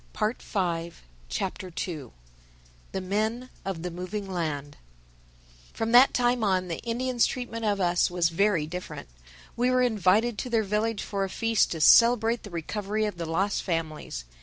THE SECOND CHAPTER "THE MEN OF THE MOVING LAND" FROM that time on the Indians' treatment of us was very different. We were invited to their village for a feast to celebrate the recovery of the lost families.